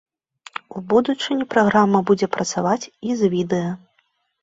У будучыні праграма будзе працаваць і з відэа.